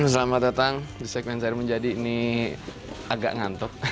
selamat datang di segmen sehari menjadi ini agak ngantuk